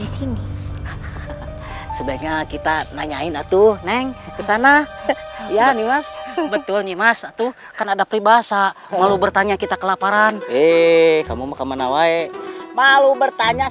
sampai jumpa di video selanjutnya